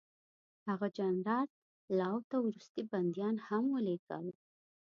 هغه جنرال لو ته وروستي بندیان هم ولېږل.